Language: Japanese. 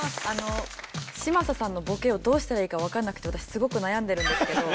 嶋佐さんのボケをどうしたらいいかわかんなくて私すごく悩んでるんですけど。